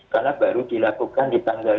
karena baru dilakukan di tanggal dua belas tiga puluh